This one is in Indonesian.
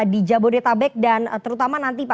di jabodetabek dan terutama nanti